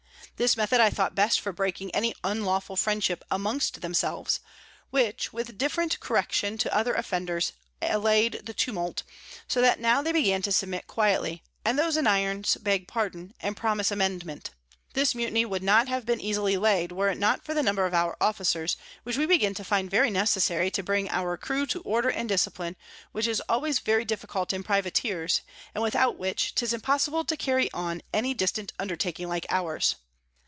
This Method I thought best for breaking any unlawful Friendship amongst themselves; which, with different Correction to other Offenders, allay'd the Tumult; so that now they begin to submit quietly, and those in Irons beg Pardon, and promise Amendment, This Mutiny would not have been easily lay'd, were it not for the number of our Officers, which we begin to find very necessary to bring our Crew to Order and Discipline, which is always very difficult in Privateers, and without which 'tis impossible to carry on any distant Undertaking like ours.